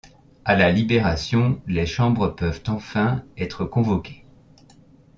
À la Libération, les Chambres peuvent enfin être convoquées.